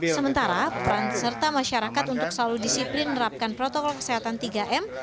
sementara peran serta masyarakat untuk selalu disiplin menerapkan protokol kesehatan tiga m